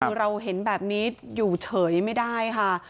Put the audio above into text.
คือเราเห็นแบบนี้อยู่เฉยไม่ได้ค่ะ